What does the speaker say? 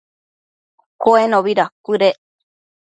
Cuenobi dacuëdec